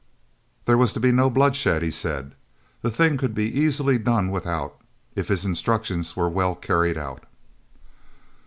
There was to be no bloodshed, he said. The thing could easily be done without, if his instructions were well carried out.